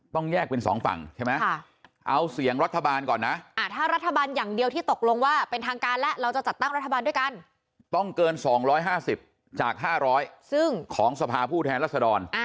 ตั้งรัฐบาลด้วยกันต้องเกิน๒๕๐จาก๕๐๐ซึ่งของสภาพู่แทนรัศดร